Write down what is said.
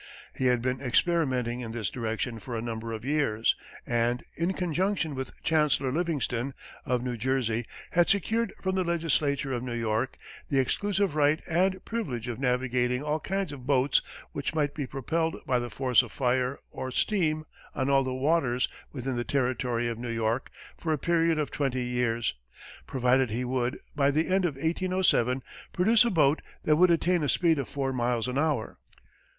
He had been experimenting in this direction for a number of years, and, in conjunction with Chancellor Livingston, of New Jersey, had secured from the legislature of New York the exclusive right and privilege of navigating all kinds of boats which might be propelled by the force of fire or steam on all the waters within the territory of New York for a period of twenty years, provided he would, by the end of 1807, produce a boat that would attain a speed of four miles an hour.